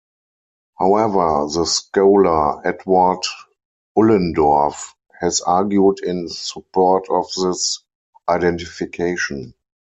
However, the scholar Edward Ullendorff has argued in support of this identification.